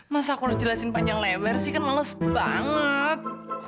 mas aku harus jelasin panjang lebar sih kan males banget